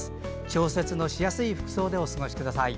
調節のしやすい服装でお過ごしください。